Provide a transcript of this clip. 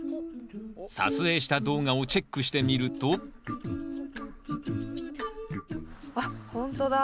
撮影した動画をチェックしてみるとあっほんとだ。